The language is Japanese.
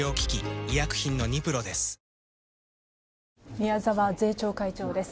宮沢税調会長です。